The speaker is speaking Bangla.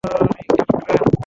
Sorry, captain.